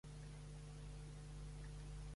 Autor de The Genera of North American Gill Fungi.